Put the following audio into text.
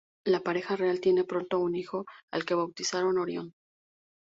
La pareja real tiene pronto un hijo al que bautizan Orion.